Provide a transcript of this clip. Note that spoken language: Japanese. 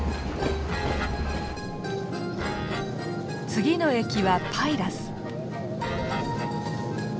次の駅はパイラス。